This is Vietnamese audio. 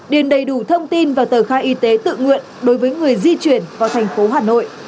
điền đầy đủ thông tin và tờ khai y tế tự nguyện đối với người di chuyển vào thành phố hà nội